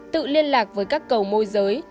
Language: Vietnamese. tự liên lạc với các cầu môi giới